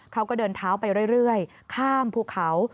เขาก็เดินเท้าไปเรื่อยข้ามภูเขา